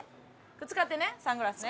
これ使ってねサングラスね。